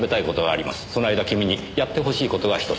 その間君にやってほしい事が１つ。